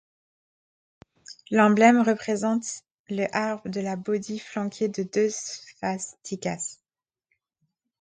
L'emblème représente le Arbre de la Bodhi flanqué de deux svastikas.